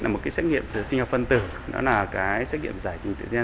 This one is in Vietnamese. một xét nghiệm sinh học phân tử là xét nghiệm giải trình tự nhiên